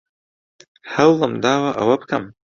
هەوڵم داوە ئەوە بکەم.